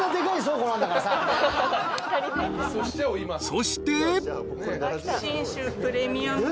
［そして］